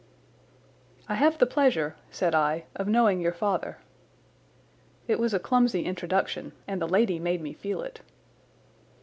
"I have the pleasure," said I, "of knowing your father." It was a clumsy introduction, and the lady made me feel it.